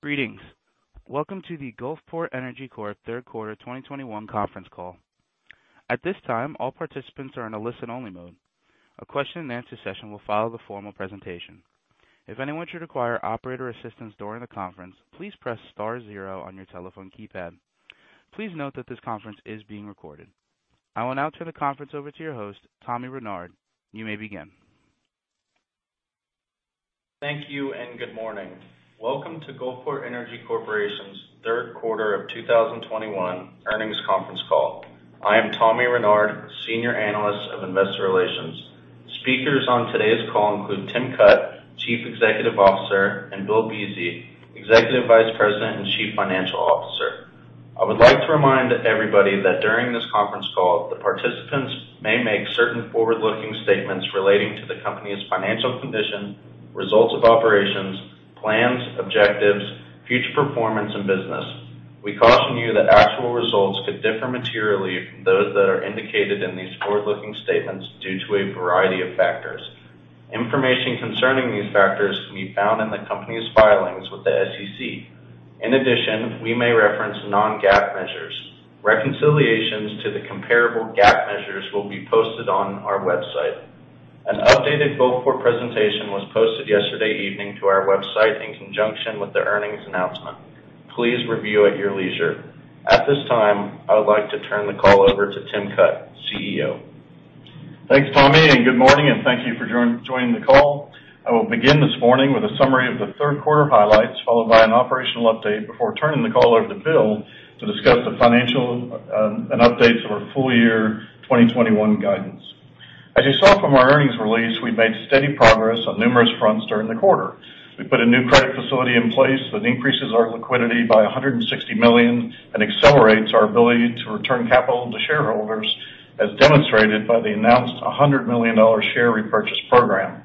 Greetings. Welcome to the Gulfport Energy Corp Third Quarter 2021 Conference Call. At this time, all participants are in a listen-only mode. A question-and-answer session will follow the formal presentation. If anyone should require operator assistance during the conference, please press star zero on your telephone keypad. Please note that this conference is being recorded. I will now turn the conference over to your host, Tommy Renouard. You may begin. Thank you and good morning. Welcome to Gulfport Energy Corporation's Third Quarter of 2021 Earnings Conference Call. I am Tommy Renouard, Senior Analyst of Investor Relations. Speakers on today's call include Tim Cutt, Chief Executive Officer, and Bill Buese, Executive Vice President and Chief Financial Officer. I would like to remind everybody that during this conference call, the participants may make certain forward-looking statements relating to the company's financial condition, results of operations, plans, objectives, future performance, and business. We caution you that actual results could differ materially from those that are indicated in these forward-looking statements due to a variety of factors. Information concerning these factors can be found in the company's filings with the SEC. In addition, we may reference non-GAAP measures. Reconciliations to the comparable GAAP measures will be posted on our website. An updated Gulfport presentation was posted yesterday evening to our website in conjunction with the earnings announcement. Please review at your leisure. At this time, I would like to turn the call over to Tim Cutt, CEO. Thanks, Tommy, and good morning, and thank you for joining the call. I will begin this morning with a summary of the third quarter highlights, followed by an operational update before turning the call over to Bill to discuss the financial and updates of our full year 2021 guidance. As you saw from our earnings release, we've made steady progress on numerous fronts during the quarter. We put a new credit facility in place that increases our liquidity by $160 million and accelerates our ability to return capital to shareholders, as demonstrated by the announced $100 million share repurchase program.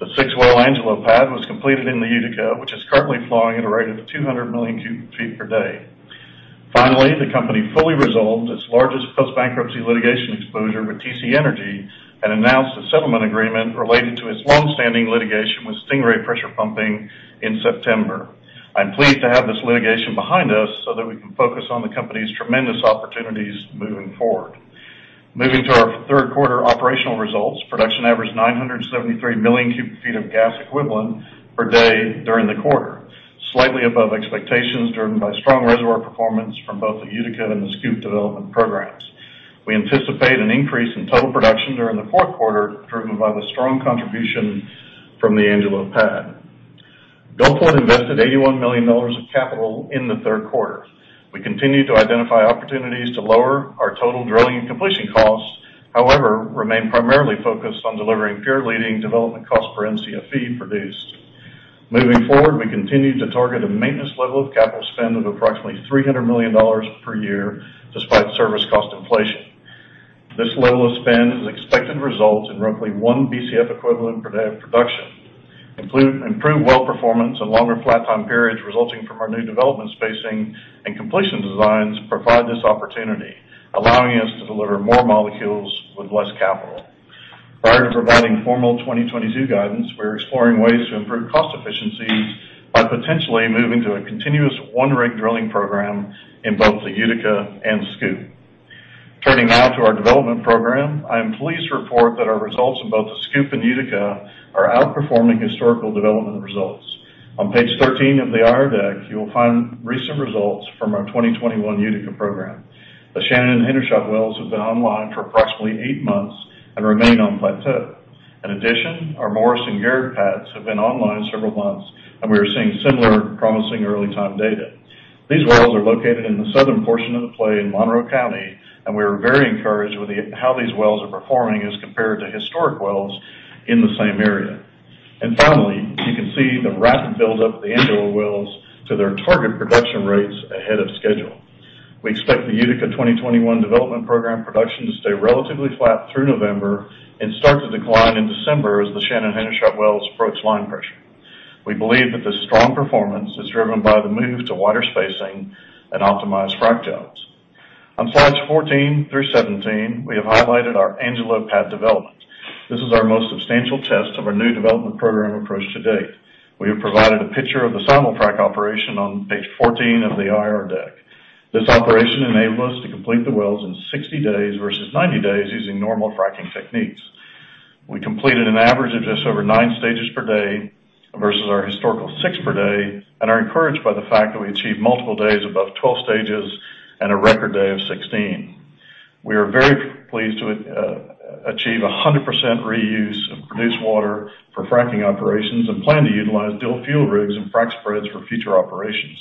The six well Angelo pad was completed in the Utica, which is currently flowing at a rate of 200 million cu ft per day. Finally, the company fully resolved its largest post-bankruptcy litigation exposure with TC Energy and announced a settlement agreement related to its longstanding litigation with Stingray Pressure Pumping in September. I'm pleased to have this litigation behind us so that we can focus on the company's tremendous opportunities moving forward. Moving to our third quarter operational results, production averaged 973 million cu ft of gas equivalent per day during the quarter, slightly above expectations driven by strong reservoir performance from both the Utica and the SCOOP development programs. We anticipate an increase in total production during the fourth quarter, driven by the strong contribution from the Angelo pad. Gulfport invested $81 million of capital in the third quarter. We continue to identify opportunities to lower our total drilling and completion costs, however, remain primarily focused on delivering peer-leading development costs per Mcfe produced. Moving forward, we continue to target a maintenance level of capital spend of approximately $300 million per year despite service cost inflation. This level of spend is expected to result in roughly 1 Bcf equivalent per day of production. Improved well performance and longer flat time periods resulting from our new development spacing and completion designs provide this opportunity, allowing us to deliver more molecules with less capital. Prior to providing formal 2022 guidance, we're exploring ways to improve cost efficiencies by potentially moving to a continuous one-rig drilling program in both the Utica and SCOOP. Turning now to our development program. I am pleased to report that our results in both the SCOOP and Utica are outperforming historical development results. On page 13 of the IR deck, you will find recent results from our 2021 Utica program. The Shannon and Hendershot wells have been online for approximately eight months and remain on plateau. In addition, our Morris and Garrett pads have been online several months, and we are seeing similar promising early time data. These wells are located in the southern portion of the play in Monroe County, and we are very encouraged with how these wells are performing as compared to historic wells in the same area. Finally, you can see the rapid buildup of the Angelo wells to their target production rates ahead of schedule. We expect the Utica 2021 development program production to stay relatively flat through November and start to decline in December as the Shannon and Hendershot wells approach line pressure. We believe that this strong performance is driven by the move to wider spacing and optimized frac jobs. On slides 14 through 17, we have highlighted our Angelo pad development. This is our most substantial test of our new development program approach to date. We have provided a picture of the simulfrac operation on page 14 of the IR deck. This operation enabled us to complete the wells in 60 days versus 90 days using normal fracking techniques. We completed an average of just over nine stages per day versus our historical six per day, and are encouraged by the fact that we achieved multiple days above 12 stages and a record day of 16. We are very pleased to achieve 100% reuse of produced water for fracking operations and plan to utilize dual fuel rigs and frac spreads for future operations,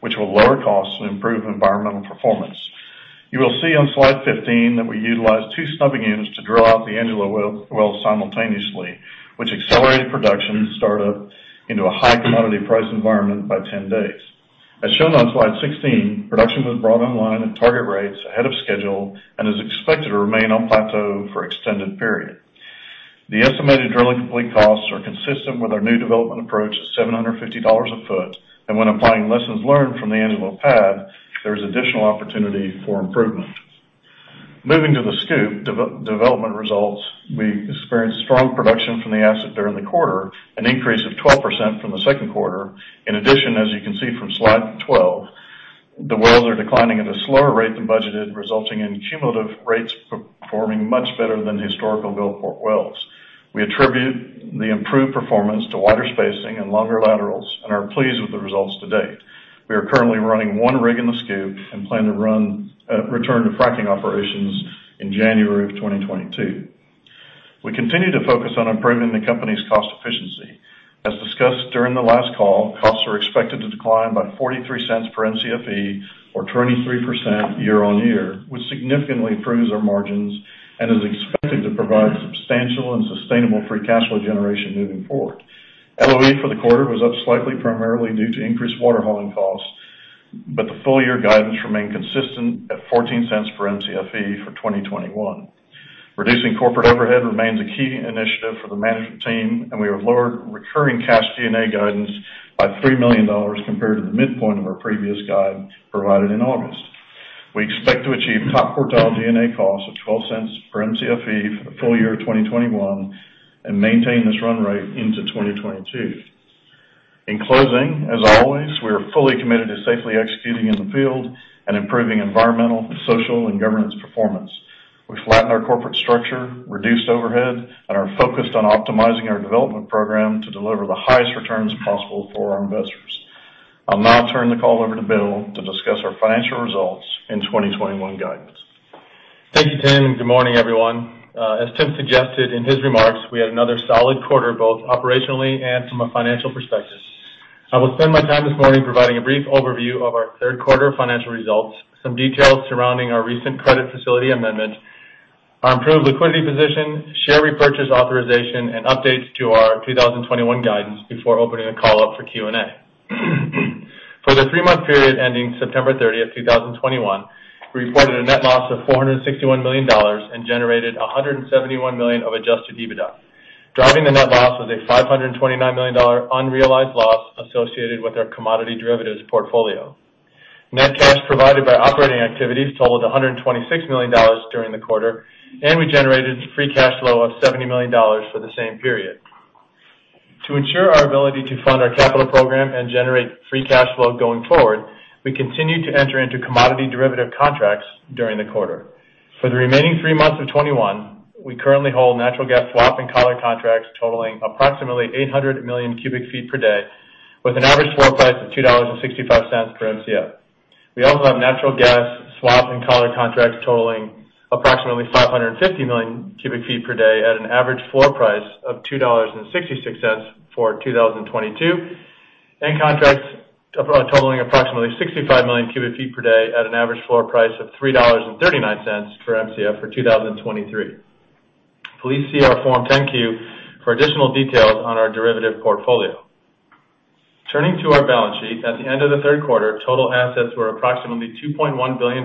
which will lower costs and improve environmental performance. You will see on slide 15 that we utilized two snubbing units to drill out the Angelo well simultaneously, which accelerated production start up into a high commodity price environment by 10 days. As shown on slide 16, production was brought online at target rates ahead of schedule and is expected to remain on plateau for extended period. The estimated drilling complete costs are consistent with our new development approach at $750 a ft, and when applying lessons learned from the Angelo pad, there is additional opportunity for improvement. Moving to the SCOOP development results, we experienced strong production from the asset during the quarter, an increase of 12% from the second quarter. In addition, as you can see from slide 12, the wells are declining at a slower rate than budgeted, resulting in cumulative rates performing much better than historical Gulfport wells. We attribute the improved performance to wider spacing and longer laterals and are pleased with the results to date. We are currently running one rig in the SCOOP and plan to return to fracking operations in January of 2022. We continue to focus on improving the company's cost efficiency. As discussed during the last call, costs are expected to decline by $0.43 per Mcfe or 23% year-on-year, which significantly improves our margins and is expected to provide substantial and sustainable free cash flow generation moving forward. LOE for the quarter was up slightly, primarily due to increased water hauling costs, but the full year guidance remained consistent at $0.14 per Mcfe for 2021. Reducing corporate overhead remains a key initiative for the management team, and we have lowered recurring cash G&A guidance by $3 million compared to the midpoint of our previous guide provided in August. We expect to achieve top quartile G&A costs of $0.12 per Mcfe for the full year of 2021 and maintain this run rate into 2022. In closing, as always, we are fully committed to safely executing in the field and improving environmental, social, and governance performance. We've flattened our corporate structure, reduced overhead, and are focused on optimizing our development program to deliver the highest returns possible for our investors. I'll now turn the call over to Bill to discuss our financial results in 2021 guidance. Thank you, Tim, and good morning, everyone. As Tim suggested in his remarks, we had another solid quarter, both operationally and from a financial perspective. I will spend my time this morning providing a brief overview of our third quarter financial results, some details surrounding our recent credit facility amendment, our improved liquidity position, share repurchase authorization, and updates to our 2021 guidance before opening the call up for Q&A. For the three-month period ending September 30th, 2021, we reported a net loss of $461 million and generated $171 million of Adjusted EBITDA. Driving the net loss was a $529 million unrealized loss associated with our commodity derivatives portfolio. Net cash provided by operating activities totaled $126 million during the quarter, and we generated free cash flow of $70 million for the same period. To ensure our ability to fund our capital program and generate free cash flow going forward, we continued to enter into commodity derivative contracts during the quarter. For the remaining three months of 2021, we currently hold natural gas swap and collar contracts totaling approximately 800 million cu ft per day with an average floor price of $2.65 per Mcf. We also have natural gas swap and collar contracts totaling approximately 550 million cu ft per day at an average floor price of $2.66 for 2022, and contracts totaling approximately 65 million cu ft per day at an average floor price of $3.39 per Mcf for 2023. Please see our Form 10-Q for additional details on our derivative portfolio. Turning to our balance sheet, at the end of the third quarter, total assets were approximately $2.1 billion,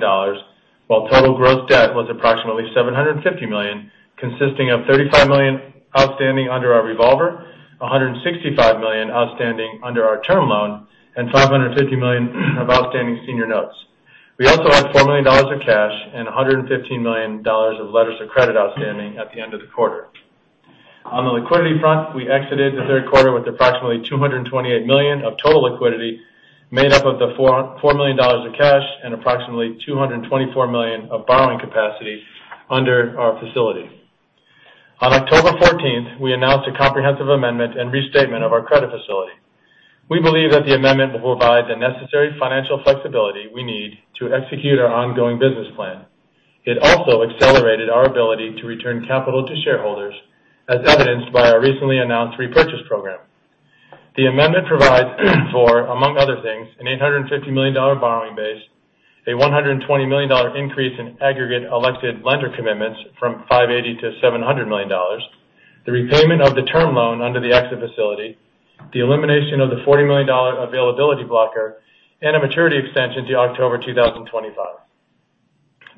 while total gross debt was approximately $750 million, consisting of $35 million outstanding under our revolver, $165 million outstanding under our term loan, and $550 million of outstanding senior notes. We also had $4 million of cash and $115 million of letters of credit outstanding at the end of the quarter. On the liquidity front, we exited the third quarter with approximately $228 million of total liquidity, made up of the $4 million of cash and approximately $224 million of borrowing capacity under our facility. On October 14th, we announced a comprehensive amendment and restatement of our credit facility. We believe that the amendment will provide the necessary financial flexibility we need to execute our ongoing business plan. It also accelerated our ability to return capital to shareholders, as evidenced by our recently announced repurchase program. The amendment provides for, among other things, an $850 million borrowing base, a $120 million increase in aggregate elected lender commitments from $580 million to $700 million, the repayment of the term loan under the exit facility, the elimination of the $40 million availability blocker, and a maturity extension to October 2025.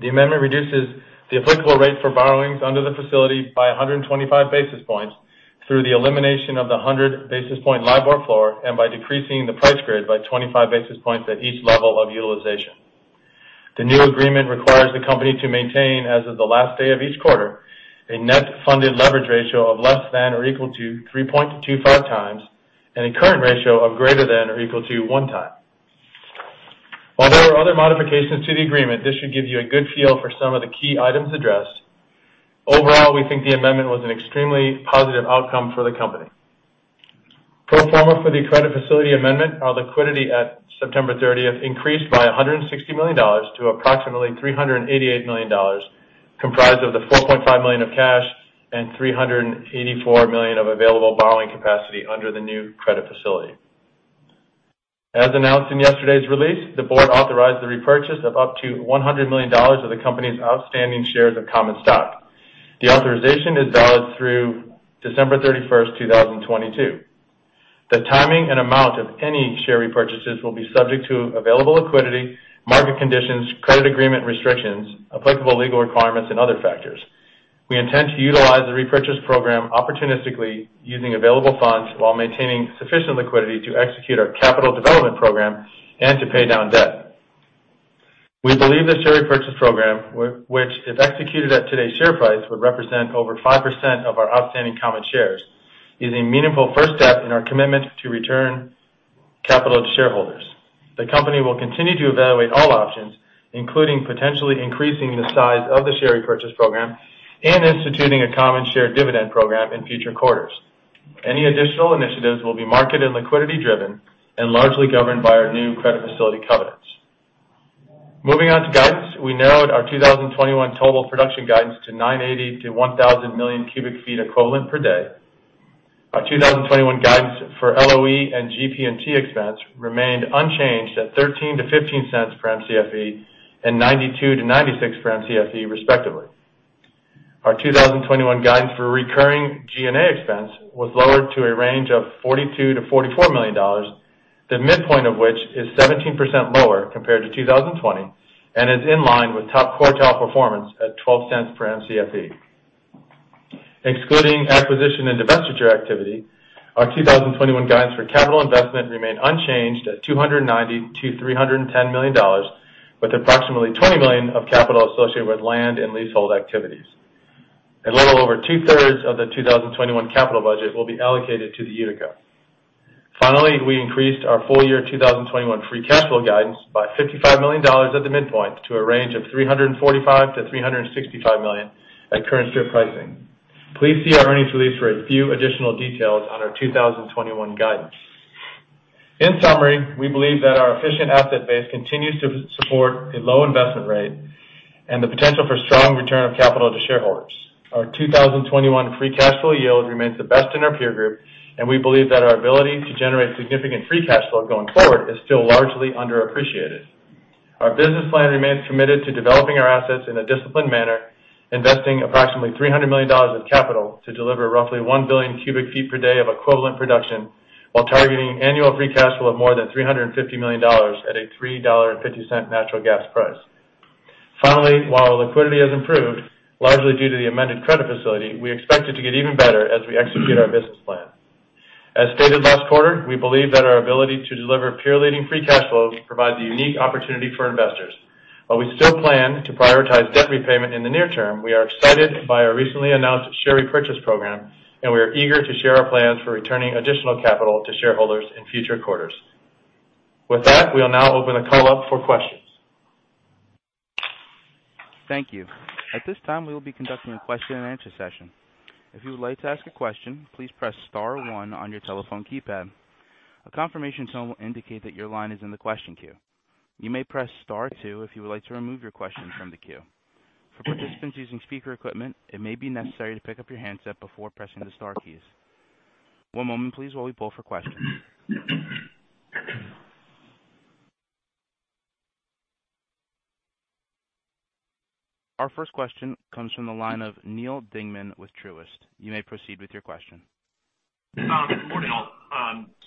The amendment reduces the applicable rate for borrowings under the facility by 125 basis points through the elimination of the 100 basis point LIBOR floor and by decreasing the price grid by 25 basis points at each level of utilization. The new agreement requires the company to maintain, as of the last day of each quarter, a net funded leverage ratio of less than or equal to 3.25x and a current ratio of greater than or equal to 1x. While there are other modifications to the agreement, this should give you a good feel for some of the key items addressed. Overall, we think the amendment was an extremely positive outcome for the company. Pro forma for the credit facility amendment, our liquidity at September 30 increased by $160 million to approximately $388 million, comprised of the $4.5 million of cash and $384 million of available borrowing capacity under the new credit facility. As announced in yesterday's release, the board authorized the repurchase of up to $100 million of the company's outstanding shares of common stock. The authorization is valid through December 31st, 2022. The timing and amount of any share repurchases will be subject to available liquidity, market conditions, credit agreement restrictions, applicable legal requirements, and other factors. We intend to utilize the repurchase program opportunistically using available funds while maintaining sufficient liquidity to execute our capital development program and to pay down debt. We believe the share repurchase program, which if executed at today's share price, would represent over 5% of our outstanding common shares, is a meaningful first step in our commitment to return capital to shareholders. The company will continue to evaluate all options, including potentially increasing the size of the share repurchase program and instituting a common share dividend program in future quarters. Any additional initiatives will be market and liquidity driven and largely governed by our new credit facility covenants. Moving on to guidance. We narrowed our 2021 total production guidance to 980 million-1,000 million cu ft equivalent per day. Our 2021 guidance for LOE and GP&T expense remained unchanged at $0.13-$0.15 per Mcfe and $0.92-$0.96 per Mcfe respectively. Our 2021 guidance for recurring G&A expense was lowered to a range of $42 million-$44 million, the midpoint of which is 17% lower compared to 2020 and is in line with top quartile performance at $0.12 per Mcfe. Excluding acquisition and divestiture activity, our 2021 guidance for capital investment remained unchanged at $290 million-$310 million, with approximately $20 million of capital associated with land and leasehold activities. A little over two-thirds of the 2021 capital budget will be allocated to the Utica. Finally, we increased our full year 2021 free cash flow guidance by $55 million at the midpoint to a range of $345 million-$365 million at current strip pricing. Please see our earnings release for a few additional details on our 2021 guidance. In summary, we believe that our efficient asset base continues to support a low investment rate and the potential for strong return of capital to shareholders. Our 2021 free cash flow yield remains the best in our peer group, and we believe that our ability to generate significant free cash flow going forward is still largely underappreciated. Our business plan remains committed to developing our assets in a disciplined manner, investing approximately $300 million of capital to deliver roughly 1 billion cu ft per day of equivalent production, while targeting annual free cash flow of more than $350 million at a $3.50 natural gas price. Finally, while liquidity has improved, largely due to the amended credit facility, we expect it to get even better as we execute our business plan. As stated last quarter, we believe that our ability to deliver peer-leading free cash flow provides a unique opportunity for investors. While we still plan to prioritize debt repayment in the near term, we are excited by our recently announced share repurchase program, and we are eager to share our plans for returning additional capital to shareholders in future quarters. With that, we'll now open the call up for questions. Thank you. At this time, we will be conducting a question-and-answer session. If you would like to ask a question, please press star one on your telephone keypad. A confirmation tone will indicate that your line is in the question queue. You may press star two if you would like to remove your question from the queue. For participants using speaker equipment, it may be necessary to pick up your handset before pressing the star keys. One moment please while we pull for questions. Our first question comes from the line of Neal Dingmann with Truist. You may proceed with your question. Good morning, all.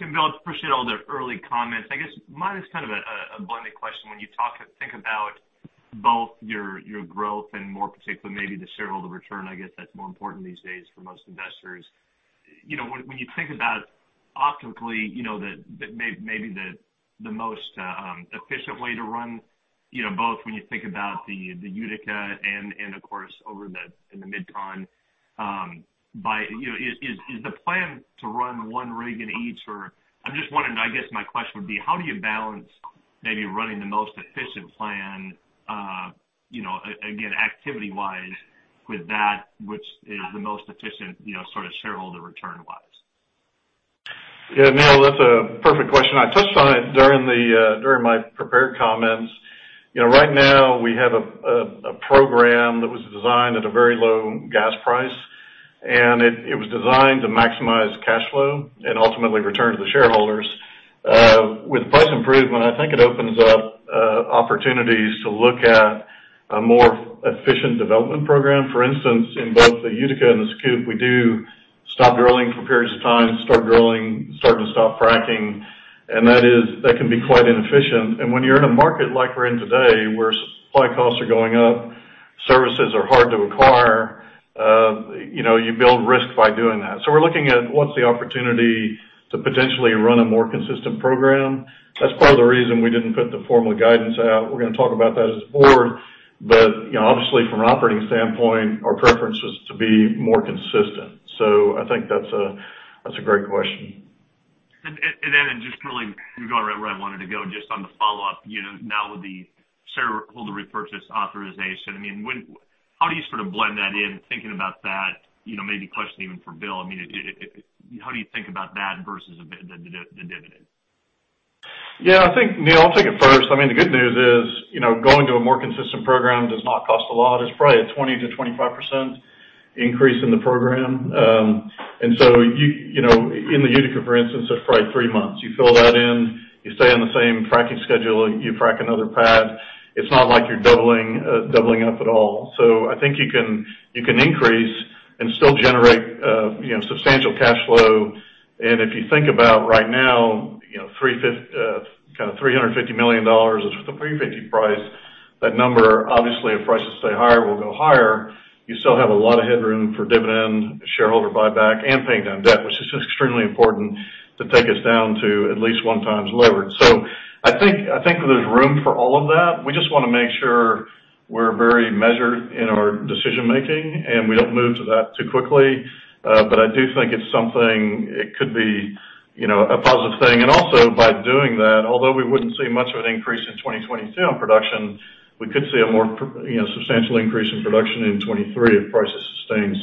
Tim, Bill, appreciate all the early comments. I guess mine is kind of a blended question. When you talk and think about both your growth and more particularly maybe the shareholder return, I guess that's more important these days for most investors. You know, when you think about optically, you know, the maybe the most efficient way to run, you know, both when you think about the Utica and of course in the MidCon. You know, is the plan to run one rig in each? Or I'm just wondering, I guess my question would be: How do you balance maybe running the most efficient plan, you know, again, activity wise with that which is the most efficient, you know, sort of shareholder return wise? Yeah, Neal, that's a perfect question. I touched on it during my prepared comments. You know, right now we have a program that was designed at a very low gas price, and it was designed to maximize cash flow and ultimately return to the shareholders. With price improvement, I think it opens up opportunities to look at a more efficient development program. For instance, in both the Utica and the SCOOP, we do stop drilling for periods of time, start drilling, start and stop fracking, and that can be quite inefficient. When you're in a market like we're in today, where supply costs are going up, services are hard to acquire, you know, you build risk by doing that. We're looking at what's the opportunity to potentially run a more consistent program. That's part of the reason we didn't put the formal guidance out. We're gonna talk about that as a board. You know, obviously from an operating standpoint, our preference is to be more consistent. I think that's a great question. then just really going right where I wanted to go, just on the follow-up, you know, now with the shareholder repurchase authorization, I mean, how do you sort of blend that in thinking about that? You know, maybe a question even for Bill. I mean, how do you think about that versus the dividend? Yeah, I think, Neal, I'll take it first. I mean, the good news is, you know, going to a more consistent program does not cost a lot. It's probably a 20%-25% increase in the program. You know, in the Utica for instance, it's probably three months. You fill that in, you stay on the same fracking schedule, you frack another pad. It's not like you're doubling up at all. I think you can increase Still generate, you know, substantial cash flow. If you think about right now, you know, kind of $350 million is the pre-$50 price. That number, obviously if prices stay higher, will go higher. You still have a lot of headroom for dividend, shareholder buyback, and paying down debt, which is extremely important to take us down to at least 1x levered. I think there's room for all of that. We just wanna make sure we're very measured in our decision making, and we don't move to that too quickly. I do think it's something, it could be, you know, a positive thing. Also by doing that, although we wouldn't see much of an increase in 2022 on production, we could see a more, you know, substantial increase in production in 2023 if prices sustain.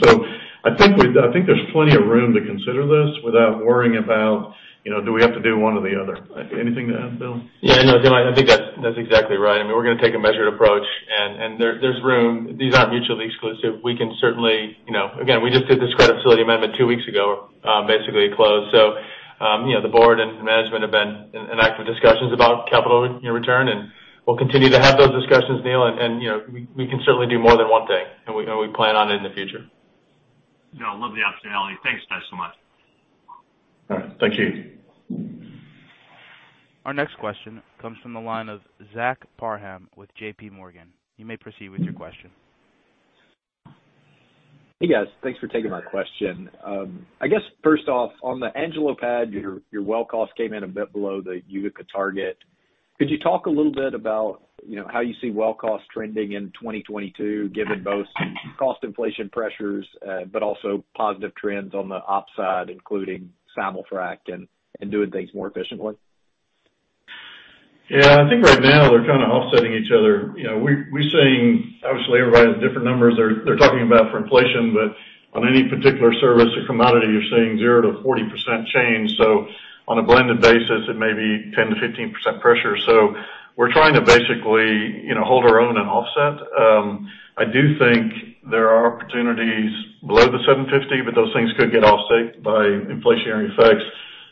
I think there's plenty of room to consider this without worrying about, you know, do we have to do one or the other. Anything to add, Bill? Yeah, no, Neal, I think that's exactly right. I mean, we're gonna take a measured approach. There's room. These aren't mutually exclusive. We can certainly. You know, again, we just did this credit facility amendment two weeks ago, basically it closed. You know, the board and management have been in active discussions about capital return, and we'll continue to have those discussions, Neal. You know, we can certainly do more than one thing, and we plan on it in the future. No, I love the optionality. Thanks guys so much. All right. Thank you. Our next question comes from the line of Zach Parham with JPMorgan. You may proceed with your question. Hey, guys. Thanks for taking my question. I guess first off, on the Angelo pad, your well cost came in a bit below the Utica target. Could you talk a little bit about, you know, how you see well costs trending in 2022, given both cost inflation pressures, but also positive trends on the op side, including simulfrac and doing things more efficiently? Yeah. I think right now they're kinda offsetting each other. You know, we're seeing. Obviously everybody has different numbers they're talking about for inflation, but on any particular service or commodity, you're seeing 0%-40% change. On a blended basis, it may be 10%-15% pressure. We're trying to basically, you know, hold our own and offset. I do think there are opportunities below the $7.50, but those things could get offset by inflationary effects.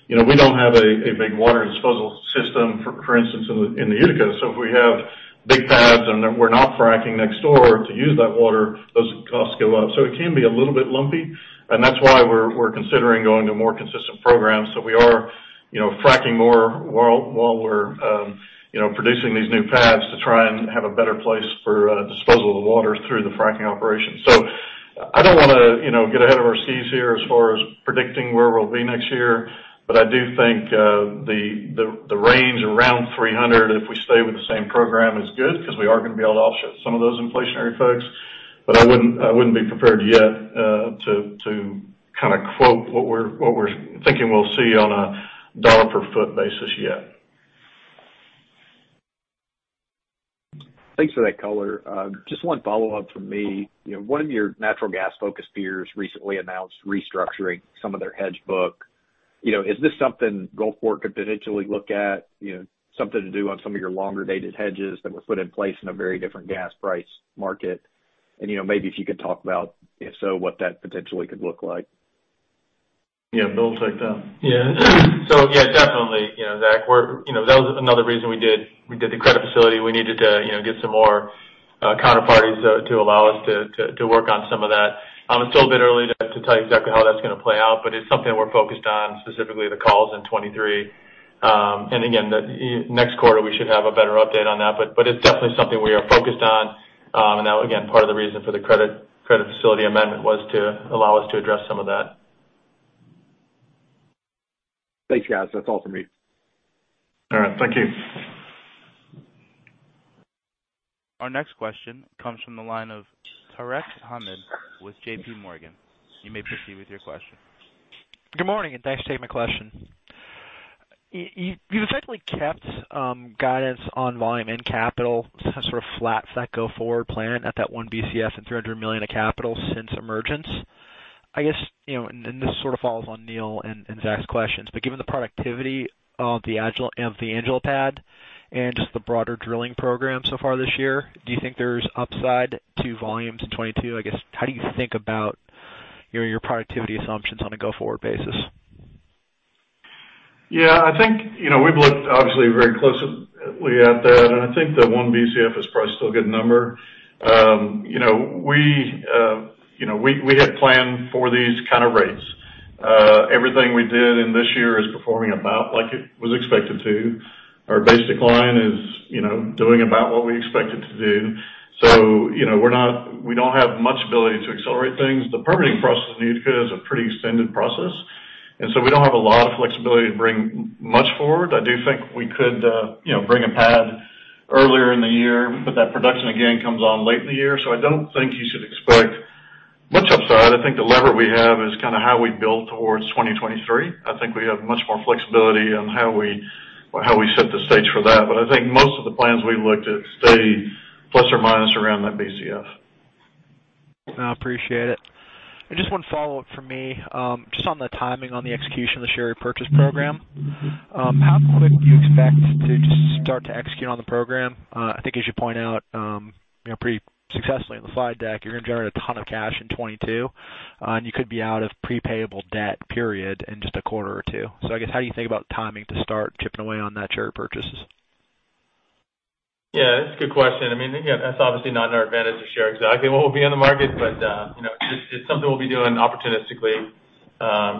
You know, we don't have a big water disposal system, for instance, in the Utica. If we have big pads and we're not fracking next door to use that water, those costs go up. It can be a little bit lumpy, and that's why we're considering going to more consistent programs. We are, you know, fracking more while we're, you know, producing these new pads to try and have a better place for disposal of the water through the fracking operations. I don't wanna, you know, get ahead of our skis here as far as predicting where we'll be next year, but I do think the range around $300 million if we stay with the same program is good, 'cause we are gonna be able to offset some of those inflationary effects. I wouldn't be prepared yet to kind of quote what we're thinking we'll see on a dollar per foot basis yet. Thanks for that color. Just one follow-up from me. You know, one of your natural gas-focused peers recently announced restructuring some of their hedge book. You know, is this something Gulfport could potentially look at? You know, something to do on some of your longer dated hedges that were put in place in a very different gas price market? You know, maybe if you could talk about if so, what that potentially could look like. Yeah. Bill, take that. Definitely, you know, Zach, we're you know, that was another reason we did the credit facility. We needed to, you know, get some more counterparties to allow us to work on some of that. It's still a bit early to tell you exactly how that's gonna play out, but it's something we're focused on, specifically the calls in 2023. The next quarter we should have a better update on that. It's definitely something we are focused on. That, again, part of the reason for the credit facility amendment was to allow us to address some of that. Thanks, guys. That's all for me. All right. Thank you. Our next question comes from the line of Tarek Hamid with JPMorgan. You may proceed with your question. Good morning, and thanks for taking my question. You've essentially kept guidance on volume and capital sort of flat set go forward plan at that 1 Bcf and $300 million of capital since emergence. I guess, you know, this sort of follows on Neal and Zach's questions, but given the productivity of the Angelo pad and just the broader drilling program so far this year, do you think there's upside to volumes in 2022? I guess, how do you think about, you know, your productivity assumptions on a go-forward basis? Yeah. I think, you know, we've looked obviously very closely at that, and I think the 1 Bcf is probably still a good number. You know, we had planned for these kind of rates. Everything we did in this year is performing about like it was expected to. Our basic line is, you know, doing about what we expect it to do. We don't have much ability to accelerate things. The permitting process in Utica is a pretty extended process, and so we don't have a lot of flexibility to bring much forward. I do think we could, you know, bring a pad earlier in the year, but that production again comes on late in the year. So I don't think you should expect much upside. I think the lever we have is kinda how we build towards 2023. I think we have much more flexibility on how we set the stage for that. I think most of the plans we looked at stay ± around that Bcf. No, I appreciate it. Just one follow-up from me, just on the timing on the execution of the share repurchase program. How quick do you expect to just start to execute on the program? I think as you point out, you know, pretty successfully in the slide deck, you're gonna generate a ton of cash in 2022, and you could be out of pre-payable debt period in just a quarter or two. I guess, how do you think about timing to start chipping away on that share purchases? Yeah, that's a good question. I mean, again, that's obviously not in our advantage to share exactly what will be in the market, but you know, it's something we'll be doing opportunistically.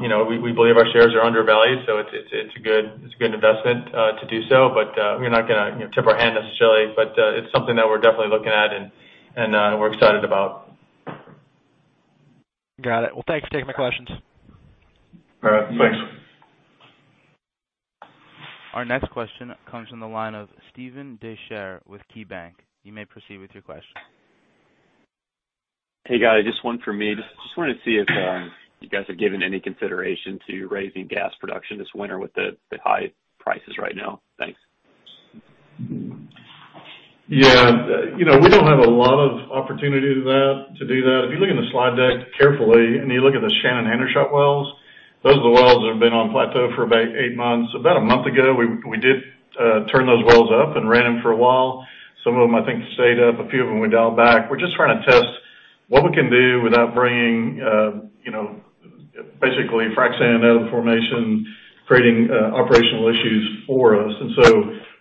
You know, we believe our shares are undervalued, so it's a good investment to do so. But we're not gonna tip our hand necessarily, but it's something that we're definitely looking at and we're excited about. Got it. Well, thanks for taking my questions. All right. Thanks. Our next question comes from the line of Steven Dechert with KeyBanc. You may proceed with your question. Hey, guys. Just one for me. Just wanted to see if you guys are giving any consideration to raising gas production this winter with the high prices right now. Thanks. Yeah. You know, we don't have a lot of opportunity to that, to do that. If you look in the slide deck carefully, and you look at the Shannon Hendershot wells, those are the wells that have been on plateau for about eight months. About a month ago, we did turn those wells up and ran them for a while. Some of them, I think, stayed up. A few of them we dialed back. We're just trying to test what we can do without bringing, you know, basically frac sand out of the formation, creating operational issues for us.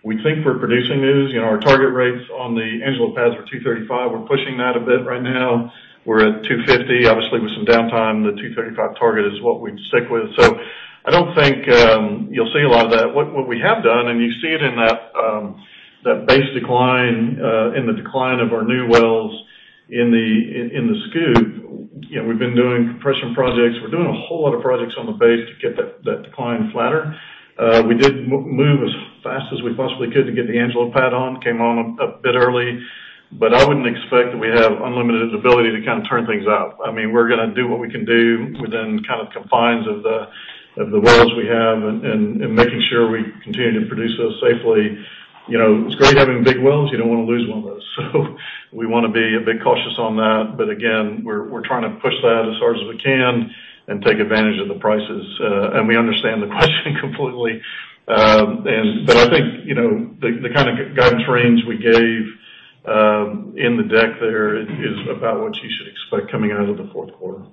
We think we're producing those. You know, our target rates on the Angelo pads were 235. We're pushing that a bit right now. We're at 250. Obviously, with some downtime, the 235 target is what we'd stick with. I don't think you'll see a lot of that. What we have done, and you see it in that base decline in the decline of our new wells in the SCOOP, you know, we've been doing compression projects. We're doing a whole lot of projects on the base to get that decline flatter. We did move as fast as we possibly could to get the Angelo pad on, came on a bit early, but I wouldn't expect that we have unlimited ability to kind of turn things up. I mean, we're gonna do what we can do within kind of confines of the wells we have and making sure we continue to produce those safely. You know, it's great having big wells. You don't wanna lose one of those. We wanna be a bit cautious on that. We're trying to push that as hard as we can and take advantage of the prices. We understand the question completely. I think, you know, the kind of guidance range we gave in the deck there is about what you should expect coming out of the fourth quarter.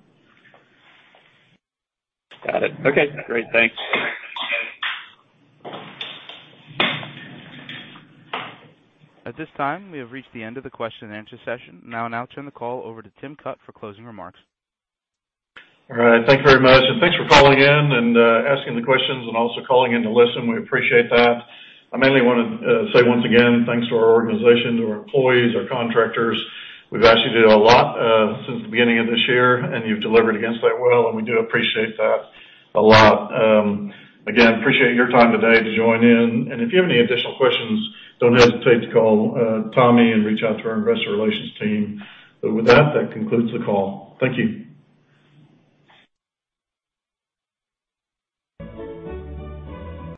Got it. Okay, great. Thanks. At this time, we have reached the end of the question-and-answer session. Now I'll turn the call over to Tim Cutt for closing remarks. All right. Thank you very much, and thanks for calling in and asking the questions and also calling in to listen. We appreciate that. I mainly wanna say once again thanks to our organization, to our employees, our contractors. We've asked you to do a lot since the beginning of this year, and you've delivered against that well, and we do appreciate that a lot. Again, appreciate your time today to join in. If you have any additional questions, don't hesitate to call Tommy and reach out to our investor relations team. With that concludes the call. Thank you.